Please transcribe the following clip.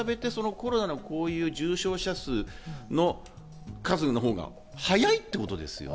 それに比べてコロナのこういう重症者数の数のほうが早いということですね。